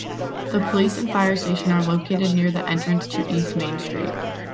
The police and fire station are located near the entrance to East Main Street.